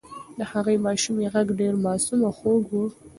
د هغې ماشومې غږ ډېر معصوم او خوږ و.